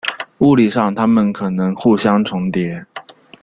物理上它们可能互相重叠。